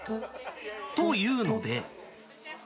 というので。